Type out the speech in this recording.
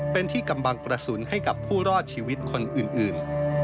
เป็นที่กำบังกระสุนให้กับผู้รอดชีวิตคนอื่น